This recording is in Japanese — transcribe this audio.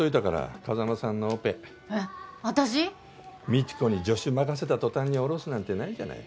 未知子に助手任せた途端に降ろすなんてないじゃない。